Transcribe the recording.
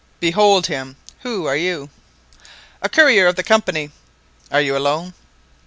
"Behold him! Who are you?" "A courier of the Company." "Are you alone?"